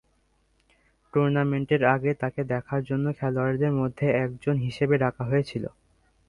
টুর্নামেন্টের আগে, তাকে দেখার জন্য খেলোয়াড়দের মধ্যে একজন হিসেবে ডাকা হয়েছিল।